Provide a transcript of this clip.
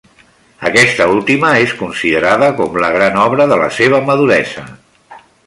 Aquesta última és considerada com la gran obra de la seva maduresa.